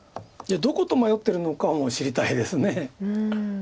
どこと迷ってるのかも知りたいです。